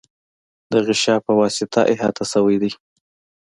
د غشا په واسطه احاطه شوی دی.